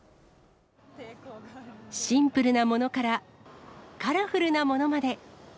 シンプルなものから、カラフルなものまで。